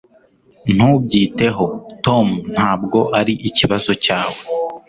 Ntubyiteho Tom Ntabwo ari ikibazo cyawe